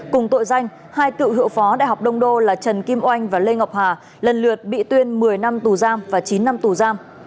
cùng tội danh hai cựu hiệu phó đại học đông đô là trần kim oanh và lê ngọc hà lần lượt bị tuyên một mươi năm tù giam và chín năm tù giam